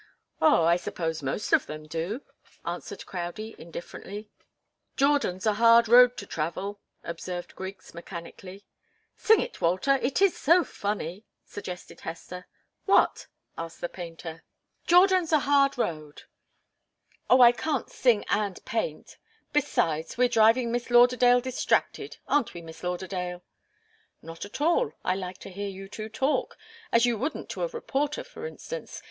"Oh, I suppose most of them do," answered Crowdie, indifferently. "'Jordan's a hard road to travel,'" observed Griggs, mechanically. "Sing it, Walter it is so funny!" suggested Hester. "What?" asked the painter. "'Jordan's a hard road' " "Oh, I can't sing and paint. Besides, we're driving Miss Lauderdale distracted. Aren't we, Miss Lauderdale?" "Not at all. I like to hear you two talk as you wouldn't to a reporter, for instance.